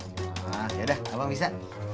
yaudah abang bisa